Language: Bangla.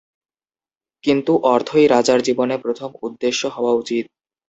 কিন্তু অর্থই রাজার জীবনে প্রথম উদ্দেশ্য হওয়া উচিত।